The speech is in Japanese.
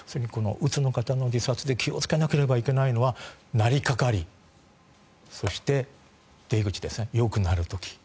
うつの方の自殺で気をつけなければならないのはなりかかりそして、出口ですねよくなる時。